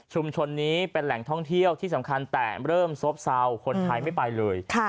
นี้เป็นแหล่งท่องเที่ยวที่สำคัญแต่เริ่มซบเซาคนไทยไม่ไปเลย